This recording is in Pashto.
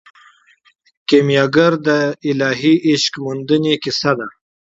کیمیاګر د الهي عشق موندنې کیسه ده.